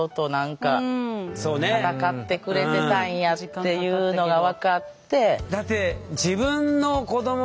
っていうのが分かって。